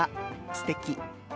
すてき。